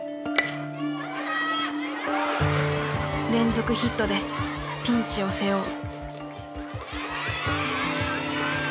連続ヒットでピンチを背負う。